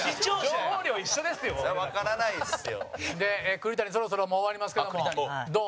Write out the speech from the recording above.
栗谷、そろそろもう、終わりますけどもどう？